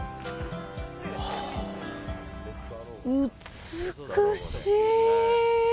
美しい！